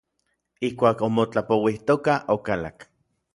Ijkuak omotlapouijtokaj, okalak.